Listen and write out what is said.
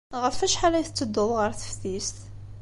Ɣef wacḥal ay tettedduḍ ɣer teftist?